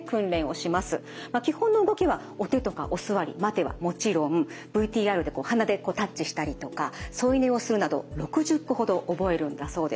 まあ基本の動きは「お手」とか「お座り」「待て」はもちろんＶＴＲで鼻でタッチしたりとか添い寝をするなど６０個ほど覚えるんだそうです。